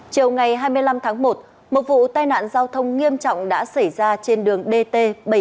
chiều ngày hai mươi năm tháng một một vụ tai nạn giao thông nghiêm trọng đã xảy ra trên đường dt bảy trăm bốn mươi một